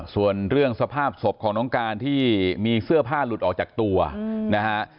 ส่วนเรื่องสภาพศพของน้องการที่มีเสื้อผ้าหลุดออกจากตัวนะฮะ